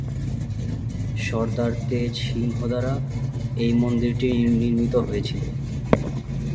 সর্দার তেজ সিংহ দ্বারা এই মন্দিরটি নির্মিত হয়েছিল।